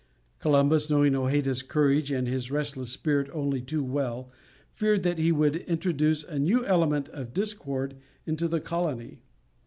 Columbus, knowing Hojeda's courage and his restless spirit only too well, feared that he would introduce a new element of discord into the colony.